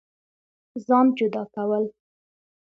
ځان جدا كول